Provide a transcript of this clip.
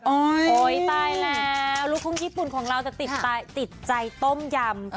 โอ๊ยตายแล้วลูกทุ่งญี่ปุ่นของเราจะติดใจต้มยำ